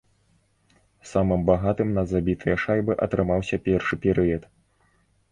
Самым багатым на забітыя шайбы атрымаўся першы перыяд.